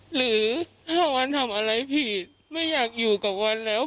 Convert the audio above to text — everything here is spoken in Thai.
หรือ๕วันทำอะไรผิดไม่อยากอยู่กับวันแล้ว